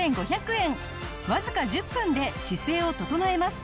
わずか１０分で姿勢を整えます。